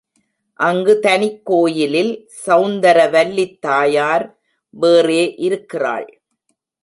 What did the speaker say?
அங்கு தனிக்கோயிலில் சௌந்தரவல்லித் தாயார் வேறே இருக்கிறாள்.